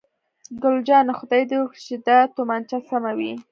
ګل جانې: خدای دې وکړي چې دا تومانچه سمه وي.